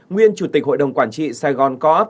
nguyên chủ tịch hội đồng quản trị sài gòn co op